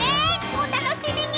お楽しみに！］